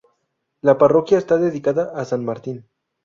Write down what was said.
La parroquia está dedicada a San Martín.